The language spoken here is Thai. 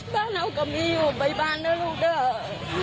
บ้านน้ากระมีอยู่ไปบ้านด้วยลูกด้าน